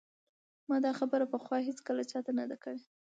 ما دا خبره پخوا هیڅکله چا ته نه ده کړې